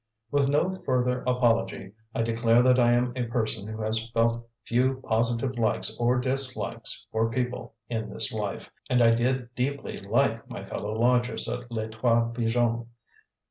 With no further apology, I declare that I am a person who has felt few positive likes or dislikes for people in this life, and I did deeply like my fellow lodgers at Les Trois Pigeons.